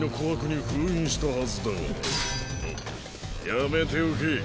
やめておけ。